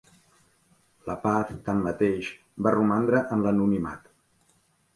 LaPaz, tanmateix, va romandre en l'anonimat.